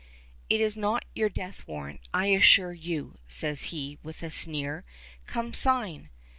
"It is not your death warrant, I assure you," says he, with a sneer. "Come, sign!"